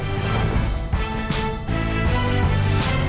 ถ้าคุณมีวิกฤตชีวิตที่หาทางออกไม่ได้